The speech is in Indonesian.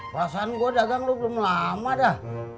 perasaan gue dagang lo belum lama dah